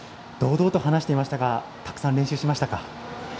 堂々と話していましたがたくさん練習しましたか？